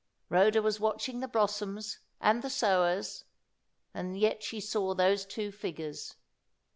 Rhoda was watching the blossoms and the sowers, and yet she saw those two figures.